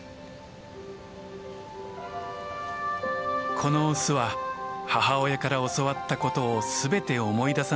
このオスは母親から教わったことをすべて思い出さなくてはなりません。